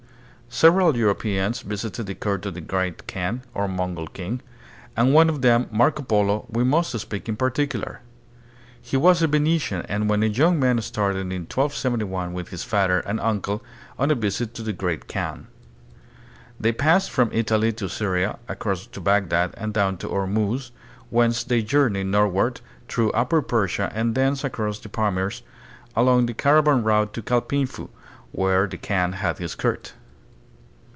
Several Euro peans visited the court of the Great Kaan, or Mongol king, and of one of them, Marco Polo, we must speak in particular. He was a Venetian, and when a young man started in 1271 with his father and uncle on a visit to the Great Kaan. They passed from Italy to Syria, across to Bagdad, and down to Ormuz, whence they journeyed northward through upper Persia and thence across the Pamirs along the caravan route to Kaipingfu, where the Kaan had his court.